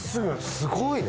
すごいね。